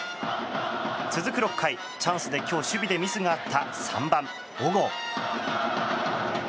続く６回、チャンスで今日、守備でミスがあった３番、小郷。